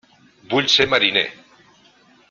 Vull ser mariner!